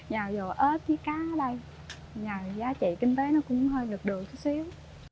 nhờ dù ếch với cá ở đây nhà giá trị kinh tế nó cũng hơi ngực đùi chút xíu